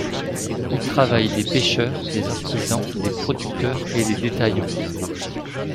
Y travaillent des pêcheurs, des artisans, des producteurs et des détaillants.